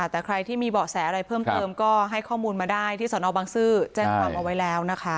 แต่ใครที่มีเบาะแสอะไรเพิ่มเติมก็ให้ข้อมูลมาได้ที่สนบังซื้อแจ้งความเอาไว้แล้วนะคะ